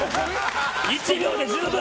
１秒で十分。